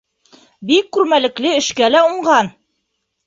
Бик күрмәлекле, эшкә лә уңған.